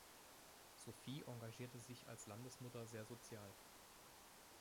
Sophie engagierte sich als Landesmutter sehr sozial.